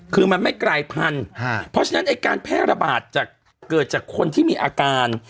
คือมันไม่กลายพันธุ์เพราะฉะนั้นไอ้การแพร่ระบาดจะเกิดจากคนที่มีอาการ